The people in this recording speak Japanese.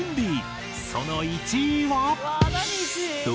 その１位は。